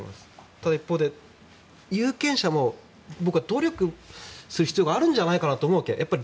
ただ、一方で有権者も僕は努力する必要があるんじゃないかなと思うわけ。